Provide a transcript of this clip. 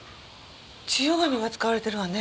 千代紙が使われてるわね。